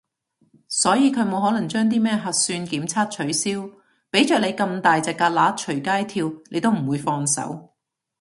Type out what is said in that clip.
所以佢冇可能將啲咩核算檢測取消，畀着你咁大隻蛤乸隨街跳你都唔會放手